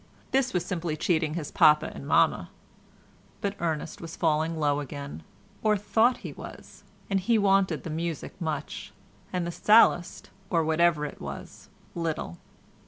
This was simply cheating his papa and mamma, but Ernest was falling low again—or thought he was—and he wanted the music much, and the Sallust, or whatever it was, little.